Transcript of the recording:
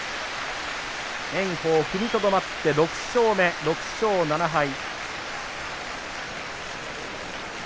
炎鵬、踏みとどまって６勝目６勝７敗。